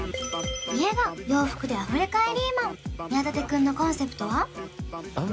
家が洋服であふれかえりマン宮舘くんのコンセプトは？